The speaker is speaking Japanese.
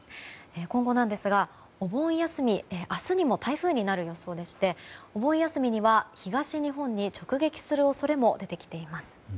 今後なんですがお盆休み明日にも台風になる予想でしてお盆休みには東日本に直撃する恐れも出てきています。